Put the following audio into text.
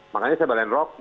makanya saya balen rok